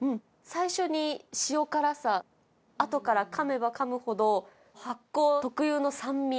最初に塩辛さ、あとから、かめばかむほど、発酵特有の酸味。